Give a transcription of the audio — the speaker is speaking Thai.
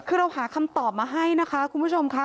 คือเราหาคำตอบมาให้นะคะคุณผู้ชมค่ะ